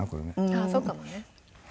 ああそうかもね。